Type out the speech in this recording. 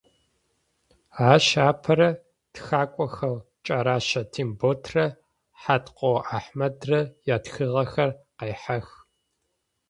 Ащ апэрэ тхакӏохэу Кӏэрэщэ Темботрэ Хьаткъо Ахьмэдрэ ятхыгъэхэр къехьэх.